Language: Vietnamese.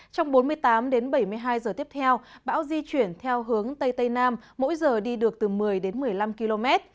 trong bốn mươi tám đến bảy mươi hai giờ tiếp theo bão di chuyển theo hướng tây tây nam mỗi giờ đi được từ một mươi đến một mươi năm km